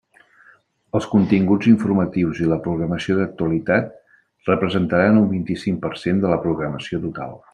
Els continguts informatius i la programació d'actualitat representaran un vint-i-cinc per cent de la programació total.